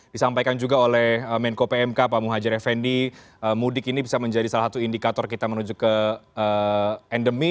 disampaikan juga oleh menko pmk pak muhajir effendi mudik ini bisa menjadi salah satu indikator kita menuju ke endemi